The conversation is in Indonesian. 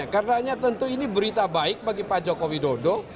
karena tentu ini berita baik bagi pak jokowi dodo